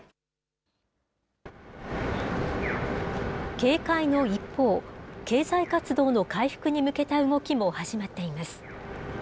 警戒の一方、経済活動の回復に向けた動きも始まっています。